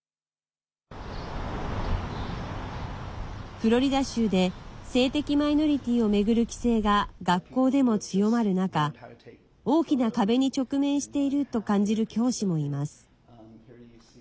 フロリダ州で性的マイノリティーを巡る規制が学校でも強まる中大きな壁に直面していると感じる教師もいます。